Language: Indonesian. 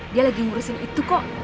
dia lagi ngurusin itu kok